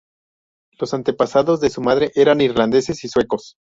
Los antepasados de su madre eran irlandeses y suecos.